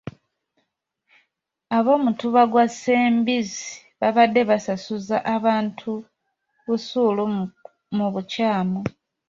Ab'omutuba gwa Ssembizzi babadde basasuza abantu busuulu mu bukyamu.